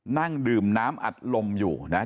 นั่งดื่มน้ำอัดลมอยู่นะฮะ